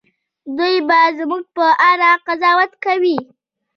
دوی به زموږ په اړه قضاوت کوي.